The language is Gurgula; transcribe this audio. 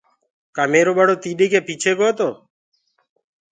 ڪآ ميرو ٻڙو تيڏ ڪي پيڇي گو۔